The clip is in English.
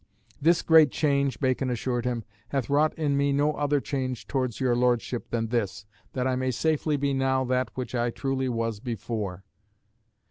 "This great change," Bacon assured him, "hath wrought in me no other change towards your Lordship than this, that I may safely be now that which I truly was before."